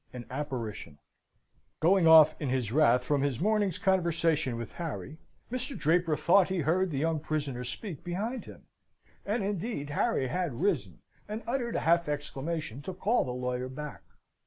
An Apparition Going off in his wrath from his morning's conversation with Harry, Mr. Draper thought he heard the young prisoner speak behind him; and, indeed, Harry had risen, and uttered a half exclamation to call the lawyer back.